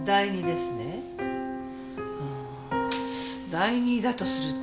第二だとすると。